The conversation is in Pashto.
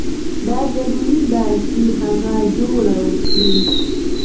دا ضروري ده چې هغه جوړه وکړي.